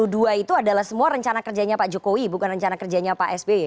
dan dua ribu dua puluh dua itu adalah semua rencana kerjanya pak jokowi bukan rencana kerjanya pak sby